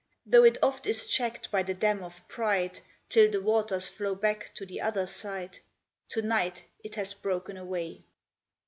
Though it oft is checked by the dam of pride, Till the waters flow back to the other side, To night it has broken away.